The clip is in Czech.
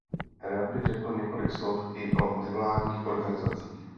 Rád bych řekl několik slov i o nevládních organizacích.